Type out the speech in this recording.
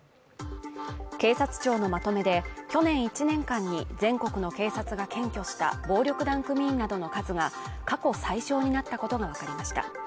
警察庁のまとめで去年１年間に全国の警察が検挙した暴力団組員などの数が過去最少になったことがわかりました。